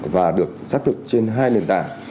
và được xác thực trên hai nền tảng